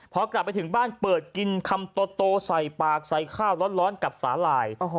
พอกลับไปถึงบ้านเปิดกินคำโตใส่ปากใส่ข้าวร้อนกับสาหร่าย